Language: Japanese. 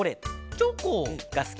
チョコ！がすきかな。